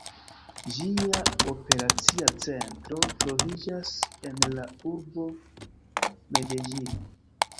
Ĝia operacia centro troviĝas en la urbo Medeĝino.